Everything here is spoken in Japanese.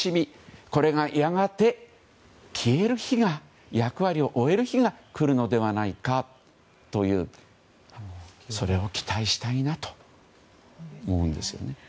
これが、やがて消える日が役割を終える日が来るのではないかというそれを期待したいなと思うんですね。